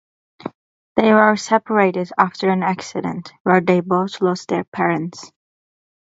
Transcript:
They were separated after an accident where they both lost their parents.